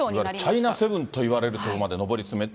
チャイナ７といわれるところまで上り詰めて。